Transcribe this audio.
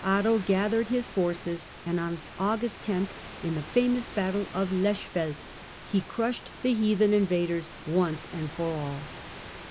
tto gathered his forces, and on August 10, in the^^'^^^ an t amous battle of tlie Lechfeld, he crushed the heathen invaders once and for all.